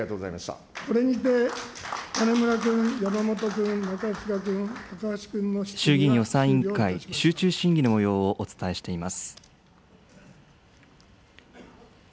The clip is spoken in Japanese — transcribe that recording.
これにて、金村君、山本君、中司君、衆議院予算委員会、集中審議のもようをお伝えしております。